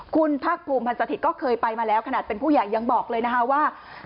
คุณภาคภูมิพันธ์สถิตย์ก็เคยไปมาแล้วขนาดเป็นผู้ใหญ่ยังบอกเลยนะคะว่า